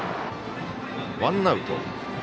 ワンアウト。